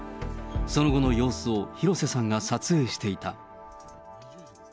その後の様子を廣瀬さんが撮影していた。